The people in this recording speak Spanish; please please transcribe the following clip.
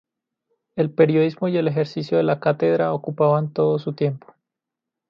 El periodismo y el ejercicio de la cátedra ocupaban todo su tiempo.